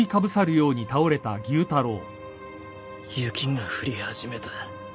雪が降り始めた